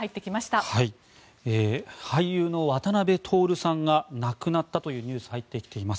俳優の渡辺徹さんが亡くなったというニュースが入ってきています。